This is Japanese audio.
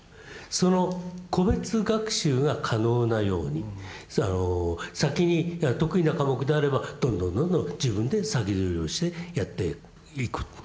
その個別学習が可能なように先に得意な科目であればどんどんどんどん自分で先取りをしてやっていく。